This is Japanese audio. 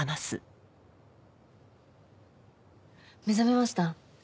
目覚めました。